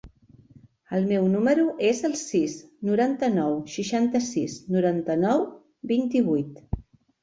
El meu número es el sis, noranta-nou, seixanta-sis, noranta-nou, vint-i-vuit.